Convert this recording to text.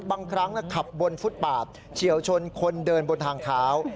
บางครั้งขับบนฟุตปาดเฉียวชนคนเดินบนทางเท้า